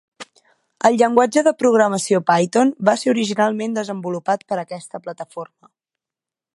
El llenguatge de programació Python va ser originalment desenvolupat per a aquesta plataforma.